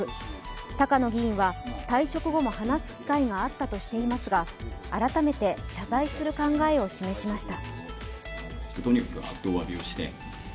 高野議員は退職後も話す機会があったとしていますが、改めて謝罪する考えを示しました。